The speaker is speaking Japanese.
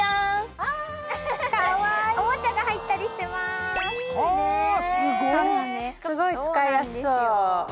すごい使いやすそう。